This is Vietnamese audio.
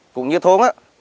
cũng như thôn